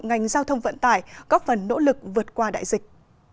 ngành giao thông vận tải góp phần nỗ lực vượt qua đại dịch